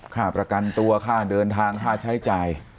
ค่าประกันตัวค่าเดินทางค่าใช้จ่าย